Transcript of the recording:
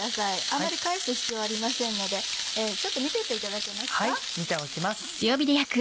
あまり返す必要はありませんのでちょっと見てていただけますか？